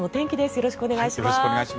よろしくお願いします。